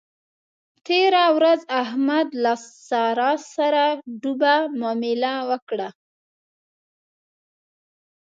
تېره ورځ احمد له له سارا سره ډوبه مامله وکړه.